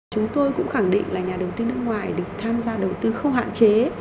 chúng tôi cũng khẳng định là nhà đầu tư nước ngoài được tham gia đầu tư không hạn chế